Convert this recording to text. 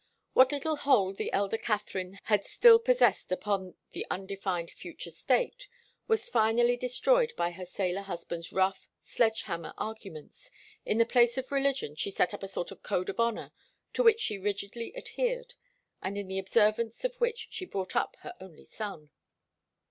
What little hold the elder Katharine had still possessed upon an undefined future state was finally destroyed by her sailor husband's rough, sledge hammer arguments. In the place of religion she set up a sort of code of honour to which she rigidly adhered, and in the observance of which she brought up her only son.